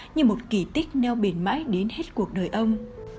như một kỳ tích neo bền mãi đến hết cuộc đời ông